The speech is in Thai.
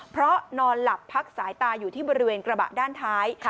เพราะนอนหลับพักสายตาอยู่ที่บริเวณกระบะด้านท้าย